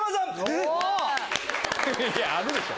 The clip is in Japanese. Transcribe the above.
えっ⁉いやあるでしょ！